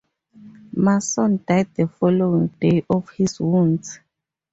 Mason died the following day of his wounds.